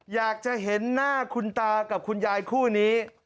อยากจะเห็นหน้าคุณตากับคุณยายคู่นี้